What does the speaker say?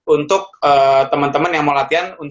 untuk temen temen yang mau latihan